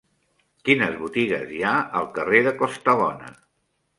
Quines botigues hi ha al carrer de Costabona?